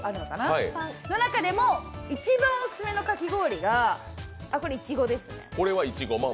その中でも一番オススメのかき氷が、これはいちごですね。